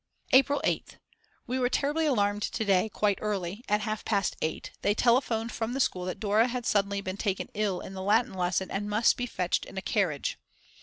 April 8th. We were terribly alarmed to day; quite early, at half past 8, they telephoned from the school that Dora had suddenly been taken ill in the Latin lesson and must be fetched in a carriage.